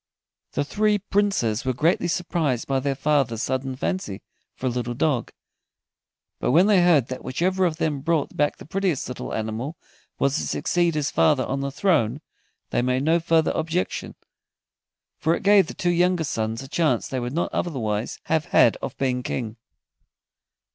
The three Princes were greatly surprised by their father's sudden fancy for a little dog, but when they heard that whichever of them brought back the prettiest little animal was to succeed his father on the throne, they made no further objection, for it gave the two younger sons a chance they would not otherwise have had of being King.